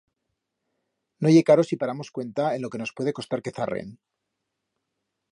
No ye caro si paramos cuenta en lo que nos puede costar que zarren.